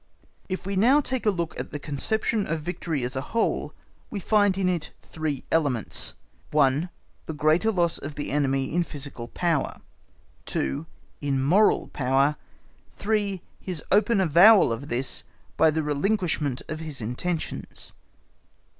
If we now take a look at the conception of victory as a whole, we find in it three elements:— 1. The greater loss of the enemy in physical power. 2. In moral power. 3. His open avowal of this by the relinquishment of his intentions.